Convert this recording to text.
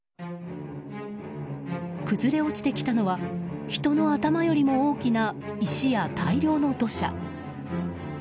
崩れ落ちてきたのは人の頭より大きな石や大量の土砂。